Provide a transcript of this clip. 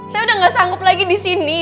saya udah gak sanggup lagi disini